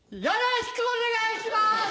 よろしくお願いします！